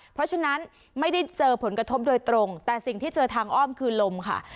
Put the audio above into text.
เพราะฉะนั้นไม่ได้เจอผลกระทบโดยตรงแต่สิ่งที่เจอทางอ้อมคือลมค่ะ